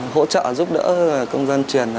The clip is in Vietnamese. hỗ trợ giúp đỡ công dân truyền